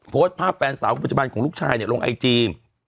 โพสต์ภาพแฟนสาวปัจจุบันของลูกชายลงไอจี